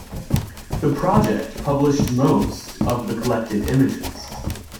The project published most of the collected images.